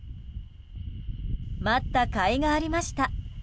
待ったかいがありました！